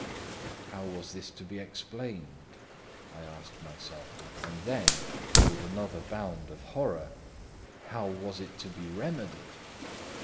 How was this to be explained? I asked myself; and then, with another bound of terror—how was it to be remedied?